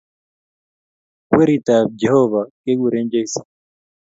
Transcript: Weritab Jehovah kekuren Jesus